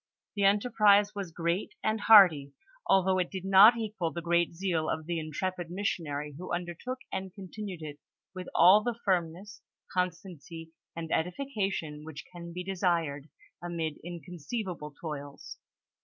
The enterprise was great and hardy, DISC0VEEIE8 IN THB MISSISSIPPI VAIXET. 97 although it did not equal the great zeal of the intrepid mis sionary who undertook and continued it with all the firmness, constancy, and edification, which can be desired, amid incon ceivable toils.